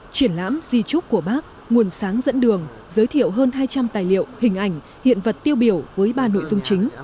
triển lãm di trúc của bác nguồn sáng dẫn đường giới thiệu hơn hai trăm linh tài liệu hình ảnh hiện vật tiêu biểu với ba nội dung chính